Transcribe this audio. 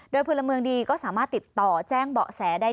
โดยพลเมืองดีก็สามารถติดต่อแจ้งเบาะแสได้